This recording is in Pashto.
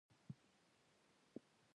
پر اس سپور یو ښایسته به راځي